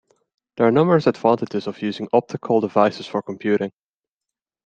There are numerous advantages of using optical devices for computing.